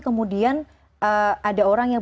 kemudian ada orang yang